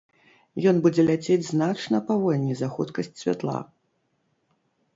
Ён будзе ляцець значна павольней за хуткасць святла.